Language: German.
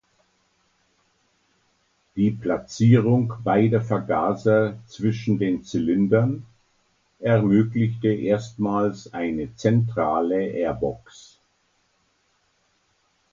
Die Platzierung beider Vergaser zwischen den Zylindern ermöglichte erstmals eine zentrale Airbox.